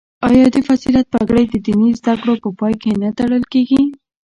آیا د فضیلت پګړۍ د دیني زده کړو په پای کې نه تړل کیږي؟